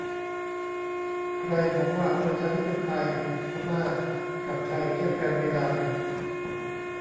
ใครบอกว่าประชาธิปไตยพม่ากับไทยเทียบกันไม่ได้ !